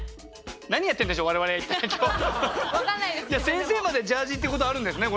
先生までジャージってことあるんですね